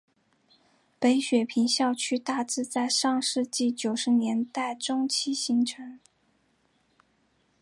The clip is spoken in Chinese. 北雪平校区大致在上世纪九十年代中期形成。